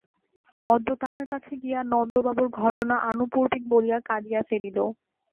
অদ্য তাহার কাছে গিয়া নন্দবাবুর ঘটনা আনুপূর্বিক বলিয়া কাঁদিয়া ফেলিল।